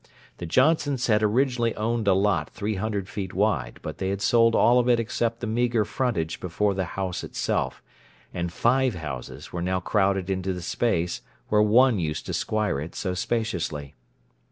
The Johnsons had originally owned a lot three hundred feet wide, but they had sold all of it except the meager frontage before the house itself, and five houses were now crowded into the space where one used to squire it so spaciously.